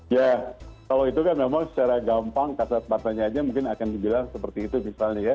ya kalau itu kan memang secara gampang kasat matanya aja mungkin akan dibilang seperti itu misalnya ya